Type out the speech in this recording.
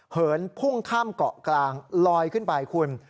เหินพุ่งข้ามเกาะกลางลอยขึ้นไปคุณ